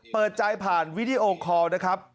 เปิดใจผ่านวิดีโอคอลนะครับ